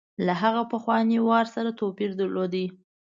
له هغه پخواني وار سره توپیر درلود.